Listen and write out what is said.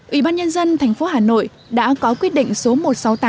ủy ban nhân dân tp hà nội đã có quyết định số một trăm sáu mươi tám